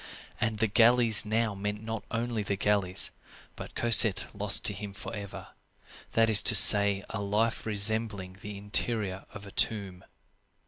And the galleys now meant not only the galleys, but Cosette lost to him forever; that is to say, a life resembling the interior of a tomb.